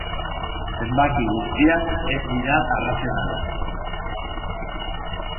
Zenbaki guztiak ez dira arrazionalak.